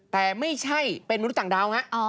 แต่ไม่ใช่เป็นมนุษย์ต่างดาวฮะ